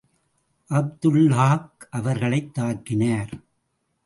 அப்துல்லாஹ் அவர்களைத் தாக்கினார்.